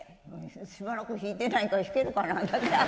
しばらく弾いてないから弾けるかな？